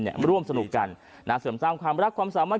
มาร่วมสนุกกัน